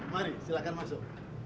mari silakan masuk